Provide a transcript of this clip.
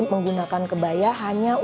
menggunakan kebaya hanya untuk